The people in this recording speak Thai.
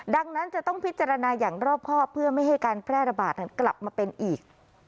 ดังนั้นจะต้องพิจารณาอย่างรอบครอบเพื่อไม่ให้การแพร่ระบาดกลับมาเป็นอีก